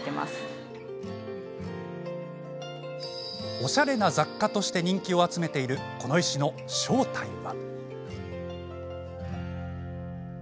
おしゃれな雑貨として人気を集めている、この石の正体は。